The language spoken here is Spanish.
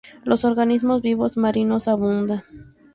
Los organismos vivos marinos abundan.